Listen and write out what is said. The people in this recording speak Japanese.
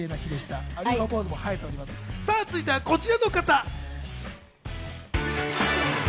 続いてはこちらの方。